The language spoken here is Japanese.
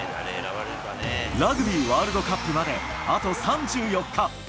ラグビーワールドカップまであと３４日。